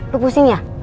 lo pusing ya